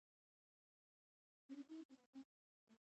مېرمنې یې ما ته سېګنورینو وویل او ژړل یې.